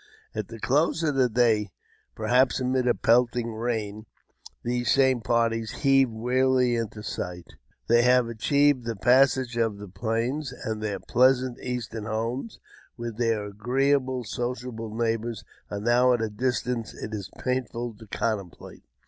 At the close of day, perhaps amid a pelting rain, these same parties heave wearily into sight : they have achieved the passage of the Plains, and their pleasant Eastern homes, with their agreeable, sociable neighbours, are now at a distance it is painful to contemplate.